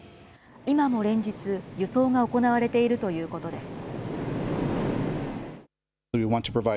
今も連日、輸送が行われているということです。